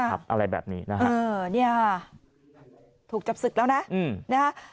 อะไรแบบนี้ถูกจับศึกแล้วนะฮะ